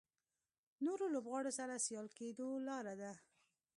نورو لوبغاړو سره سیال کېدو لاره ده.